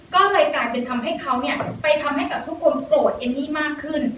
ก็เลยกลายเป็นทำให้เขาเนี่ยไปทำให้กับทุกคนโกรธเอมมี่มากขึ้น